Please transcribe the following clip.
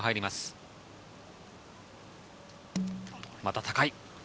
また高い。